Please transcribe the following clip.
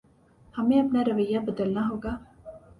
ہمیں اپنا رویہ بدلنا ہوگا۔